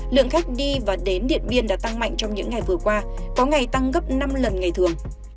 lượng khách đi và đến điện biên đã tăng mạnh trong những ngày vừa qua có ngày tăng gấp năm lần ngày thường